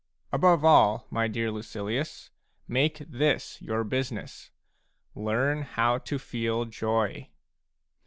Above all, my dear Lucilius, make this your business : learn how to feel joy.